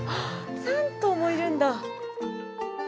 ３頭もいるんだ。